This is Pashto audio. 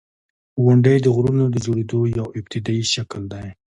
• غونډۍ د غرونو د جوړېدو یو ابتدایي شکل دی.